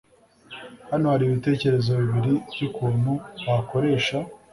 Hano hari ibitekerezo bibiri byukuntu wakoresha